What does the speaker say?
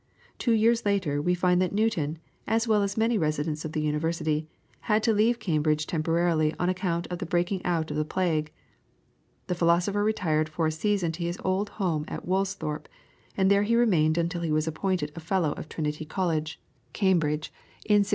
Two years later we find that Newton, as well as many residents in the University, had to leave Cambridge temporarily on account of the breaking out of the plague. The philosopher retired for a season to his old home at Woolsthorpe, and there he remained until he was appointed a Fellow of Trinity College, Cambridge, in 1667.